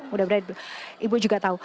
mudah mudahan ibu juga tahu